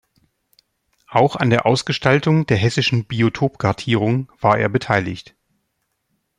Auch an der Ausgestaltung der Hessischen Biotopkartierung war er beteiligt.